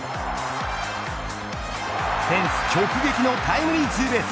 フェンス直撃のタイムリーツーベース。